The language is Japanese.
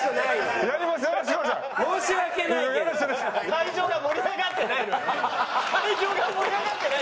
会場が盛り上がってないのよ。